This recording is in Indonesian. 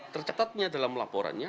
tercetaknya dalam laporannya